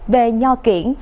về nho kiện